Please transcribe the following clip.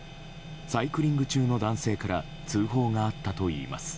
サイクリング中の男性から通報があったといいます。